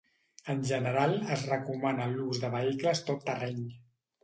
En general, es recomana l'ús de vehicles tot terreny.